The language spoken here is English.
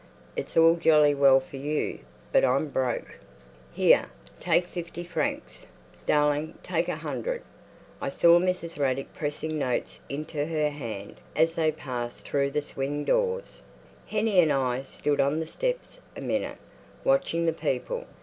"It's all jolly well for you—but I'm broke!" "Here—take fifty francs, darling, take a hundred!" I saw Mrs. Raddick pressing notes into her hand as they passed through the swing doors. Hennie and I stood on the steps a minute, watching the people.